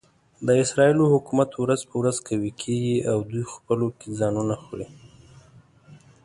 د اسرایلو حکومت ورځ په ورځ قوي کېږي او دوی خپلو کې ځانونه خوري.